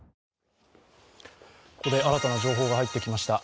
ここで新たな情報が入ってきました。